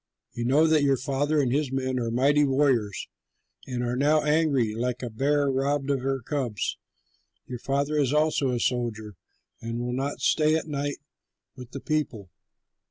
You know that your father and his men are mighty warriors and are now angry, like a bear robbed of her cubs. Your father is also a soldier and will not stay at night with the people.